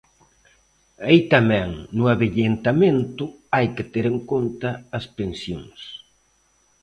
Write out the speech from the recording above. Aí tamén, no avellentamento, hai que ter en conta as pensións.